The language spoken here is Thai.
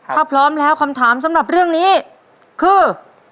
ถ้าพร้อมแล้วคำถามสำหรับเรื่องนี้คือ